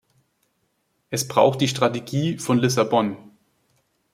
Es braucht die Strategie von Lissabon.